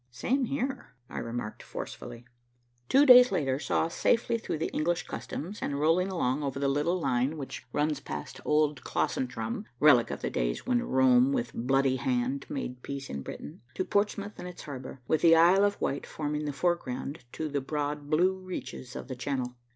"Same here," I remarked forcefully. Two days later saw us safely through the English Customs and rolling along over the little line which runs past old Clausentrum, relic of the days when Rome with bloody hand made peace in Britain, to Portsmouth and its harbor, with the Isle of Wight forming the foreground to the broad blue reaches of the Channel.